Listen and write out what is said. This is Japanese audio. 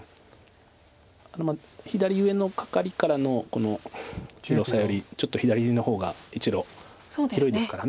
左上のカカリからのこの広さよりちょっと左の方が１路広いですから。